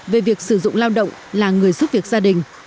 về việc sử dụng lao động là người giúp việc gia đình